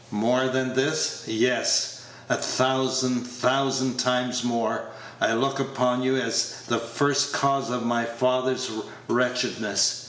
More than this yes, a thousand, thousand times more I look upon you as the first cause of my father's wretchedness.